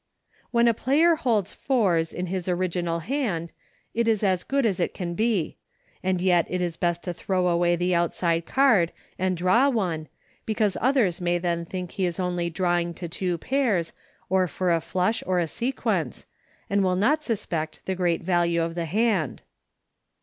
When a player holds fours in his original hand, it is as good as it can be ; and yet it is 142 RULES FOR PLAYING DRAW POKER. best to throw away the outside card and draw one, because others may then think he is only drawing to two pairs, or for a flush or a sequence, and will not suspect the great value of the hand.